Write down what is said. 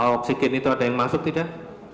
oksigen itu ada yang masuk tidak